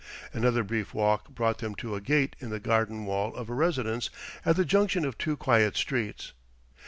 Another brief walk brought them to a gate in the garden wall of a residence at the junction of two quiet streets.